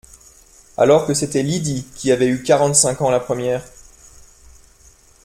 alors que c’était Lydie qui avait eu quarante-cinq ans la première.